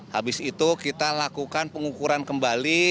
habis itu kita lakukan pengukuran kembali